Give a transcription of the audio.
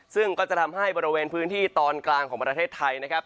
ซึ่งก็จะทำให้บริเวณพื้นที่ตอนกลางของประเทศไทยนะครับ